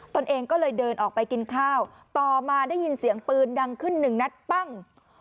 ตัวเองก็เลยเดินออกไปกินข้าวต่อมาได้ยินเสียงปืนดังขึ้นหนึ่งนัดปั้ง